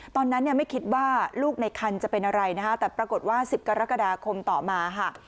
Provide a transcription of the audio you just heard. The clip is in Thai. ตอนนั้นไม่คิดว่าลูกในคันจะเป็นอะไรแต่ปรากฏว่า๑๐กรกฎาคมต่อมา